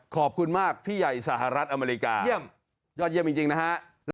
ขอบคุณมากพี่ใหญ่สหรัฐอเมริกาเยี่ยมยอดเยี่ยมจริงนะฮะ